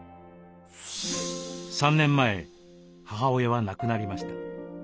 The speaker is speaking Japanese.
３年前母親は亡くなりました。